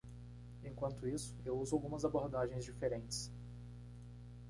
Enquanto isso,? eu uso algumas abordagens diferentes.